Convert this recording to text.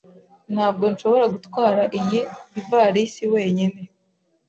Ntabwo nshobora gutwara iyi ivalisi wenyine